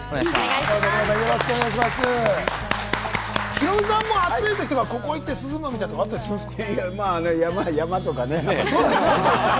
ヒロミさんも暑いときは、ここ行って涼むみたいなとこあったりしますか？